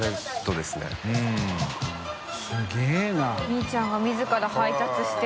みぃちゃんが自ら配達して。